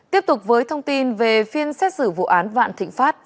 tiếp tục với thông tin về phiên xét xử vụ án vạn thịnh pháp